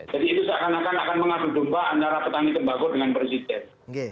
jadi itu seakan akan akan menghasil domba antara petani tembakau dengan presiden